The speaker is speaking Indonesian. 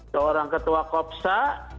seorang ketua kopsa